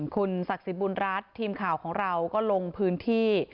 คุณศักดิ์สิทธิ์บุญรัฐทีมข่าวของเราก็ลงพื้นที่